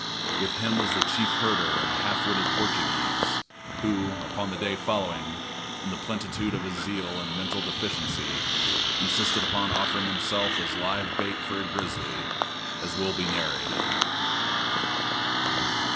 With him was the chief herder and a half witted Portuguese, who, upon the day following, in the plenitude of his zeal and mental deficiency, insisted upon offering himself as live bait for a grizzly, as will be narrated.